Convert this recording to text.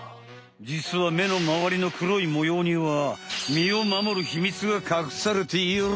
じつは目のまわりの黒いもようには身を守るヒミツがかくされている！